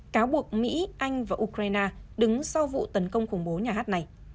cáo buộc mỹ anh và ukraine đứng sau vụ tấn công khủng bố nhà hát này